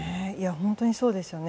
本当にそうですよね。